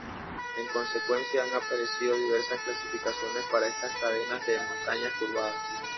En consecuencia han aparecido diversas clasificaciones para estas cadenas de montañas curvadas.